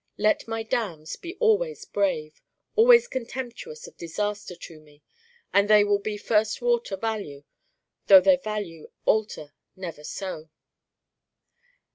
Let my Damns be always brave, always contemptuous of disaster to me, and they will be first water value though their kind alter never so.